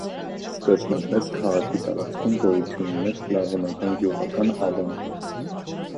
Սկզբնապես քաղաքի տարածքում գոյություն ուներ սլավոնական գյուղական ավան։